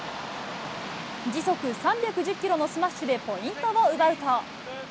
時速３１０キロのスマッシュでポイントを奪うと。